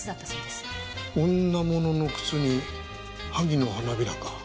女物の靴に萩の花びらか。